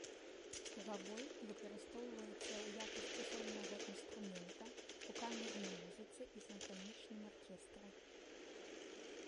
Габой выкарыстоўваецца ў якасці сольнага інструмента, у камернай музыцы і сімфанічным аркестры.